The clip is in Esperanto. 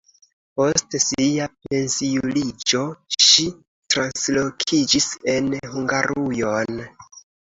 Post sia pensiuliĝo ŝi translokiĝis en Hungarujon.